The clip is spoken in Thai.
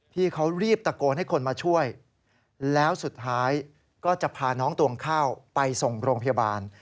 พี่เขารีบตะโกนให้คนมาช่วยแล้วสุดท้ายก็จะพาน้องตวงข้าวไปส่งโรงพยาบาล